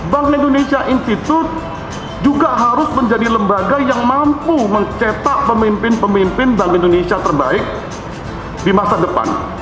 bank indonesia institute juga harus menjadi lembaga yang mampu mencetak pemimpin pemimpin bank indonesia terbaik di masa depan